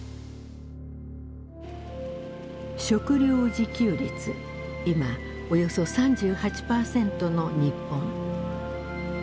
食料自給率今およそ３８％の日本。